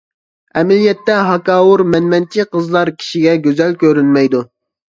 ئەمەلىيەتتە، ھاكاۋۇر، مەنمەنچى قىزلار كىشىگە گۈزەل كۆرۈنمەيدۇ.